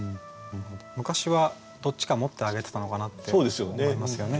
昔はどっちか持ってあげてたのかなって思いますよね。